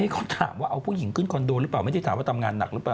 เขาถามว่าเอาผู้หญิงขึ้นคอนโดหรือเปล่าไม่ได้ถามว่าทำงานหนักหรือเปล่า